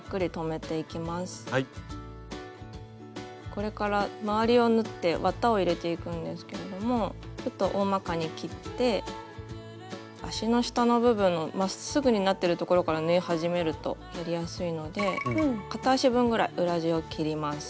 これから周りを縫って綿を入れていくんですけれどもちょっとおおまかに切って足の下の部分のまっすぐになってるところから縫い始めるとやりやすいので片足分ぐらい裏地を切ります。